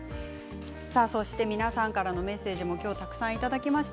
皆さんからのメッセージも今日たくさんいただきました